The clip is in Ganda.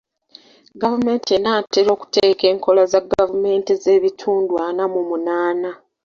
Gavumenti enaatera okuteeka enkola za gavumenti z'ebitundu ana mu munaana.